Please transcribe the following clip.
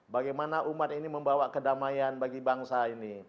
bagaimana umat ini membawa kedamaian bagi bangsa ini